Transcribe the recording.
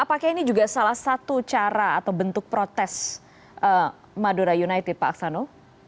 apakah ini juga salah satu cara atau bentuk protes madura united pak aksanul